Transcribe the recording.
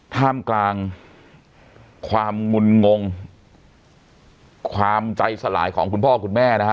ท่ามกลางความงุนงงความใจสลายของคุณพ่อคุณแม่นะฮะ